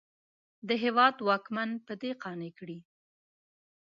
د هېواد واکمن په دې قانع کړي.